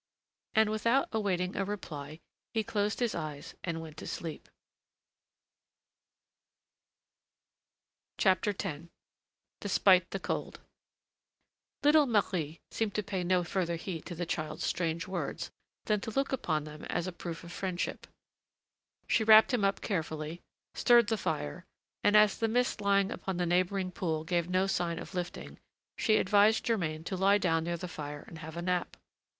And, without awaiting a reply, he closed his eyes and went to sleep. X DESPITE THE COLD Little Marie seemed to pay no further heed to the child's strange words than to look upon them as a proof of friendship; she wrapped him up carefully, stirred the fire, and, as the mist lying upon the neighboring pool gave no sign of lifting, she advised Germain to lie down near the fire and have a nap.